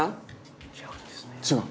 違う？